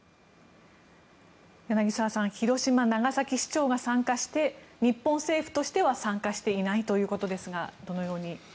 柳澤さん広島、長崎市長が参加して日本政府としては参加していないということですがどのように見ますか。